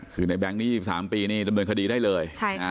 คือในแบงค์นี้๒๓ปีนี่ดำเนินคดีได้เลย